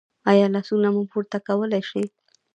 ایا لاسونه مو پورته کولی شئ؟